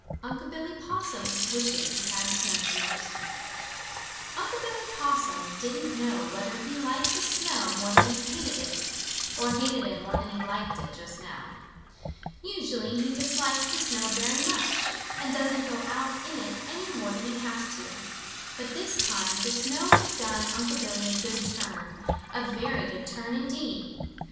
XX UNC' BILLY POSSUM WISHES HE HAD SNOWSHOES Unc' Billy Possum didn't know whether he liked the snow more than he hated it or hated it more than he liked it, just now. Usually he dislikes the snow very much, and doesn't go out in it any more than he has to. But this time the snow had done Unc' Billy a good turn, a very good turn, indeed.